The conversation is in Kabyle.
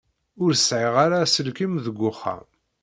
Ur sɛiɣ ara aselkim deg wexxam.